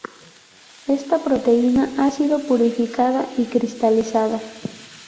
Esta proteína ha sido purificada y cristalizada.